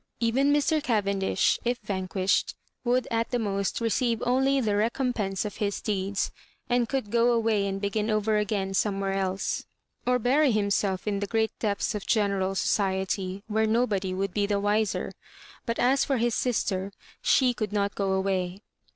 Bven Mr. Cavendish, if vanquish Digitized by Google MISS MABJOEEBAJ^Ka 111 6d, would at the most receive only the recom pense of his deeds, and could go away and begin over again somewhere else, or bury himself in the great depths of general society, where no body would be the wiser; but as for his sister, she could not go away.